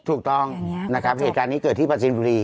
ถูกต้องนะครับเหตุการณ์นี้เกิดที่ประจินบุรี